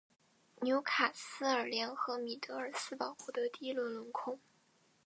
纽卡斯尔联和米德尔斯堡获得第一轮轮空。